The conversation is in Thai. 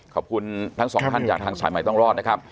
ขอบคุณทั้งสองท่านจากทางสายใหม่ต้องรอดนะครับ